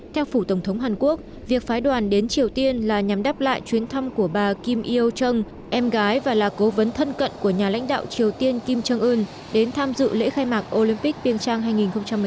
theo phủ tổng thống hàn quốc việc phái đoàn đến triều tiên là nhằm đáp lại chuyến thăm của bà kim yo chong em gái và là cố vấn thân cận của nhà lãnh đạo triều tiên kim jong un đến tham dự lễ khai mạc olympic piêng trang hai nghìn một mươi chín